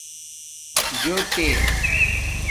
جݸٹے